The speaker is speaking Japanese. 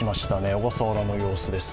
小笠原の様子です。